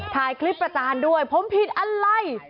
ถ่ายคลิปประจานด้วยผมผิดอะไร